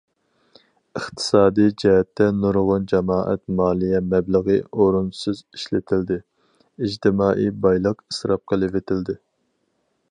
ئىقتىسادىي جەھەتتە، نۇرغۇن جامائەت مالىيە مەبلىغى ئورۇنسىز ئىشلىتىلدى، ئىجتىمائىي بايلىق ئىسراپ قىلىۋېتىلدى.